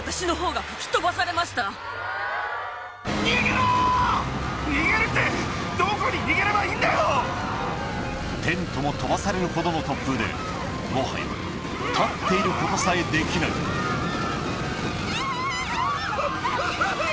もはや演奏どころではないテントも飛ばされるほどの突風でもはや立っていることさえできない・えぇ！